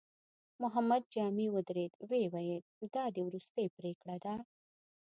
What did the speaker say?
محمد جامي ودرېد، ويې ويل: دا دې وروستۍ پرېکړه ده؟